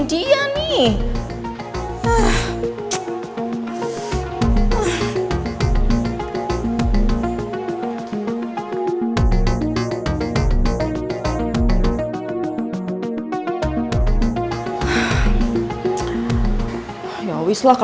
terima kasih ma